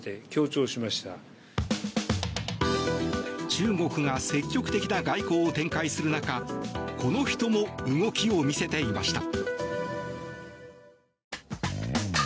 中国が積極的な外交を展開する中この人も動きを見せていました。